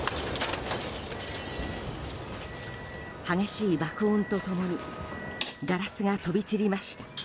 激しい爆音と共にガラスが飛び散りました。